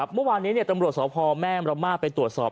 เมื่อวานนี้ตำรวจสพแม่มรมาศไปตรวจสอบ